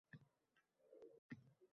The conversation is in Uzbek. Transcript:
кимнинг бор қасди?